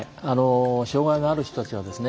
障害がある人たちはですね